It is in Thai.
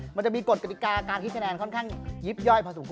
มันจะมีกฎกฎิกาการคิดคะแนนค่อนข้างยิบย่อยพอสุกค